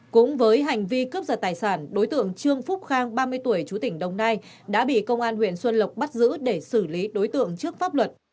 cũng với hành vi cướp giật tài sản đối tượng trương phúc khang ba mươi tuổi chú tỉnh đồng nai đã bị công an huyện xuân lộc bắt giữ để xử lý đối tượng trước pháp luật